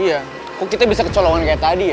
iya kok kita bisa kecolongan kayak tadi ya